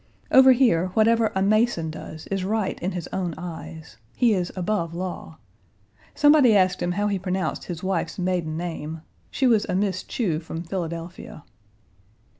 Over here, whatever a Mason does is right in his own eyes. He is above law. Somebody asked him how he pronounced his wife's maiden name: she was a Miss Chew from Philadelphia.